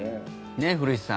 ね、古市さん